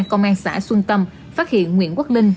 công an xã xuân tâm phát hiện nguyễn quốc linh